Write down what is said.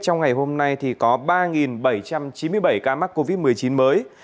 trong ngày hôm nay có ba bảy trăm chín mươi bảy ca mắc covid một mươi chín mới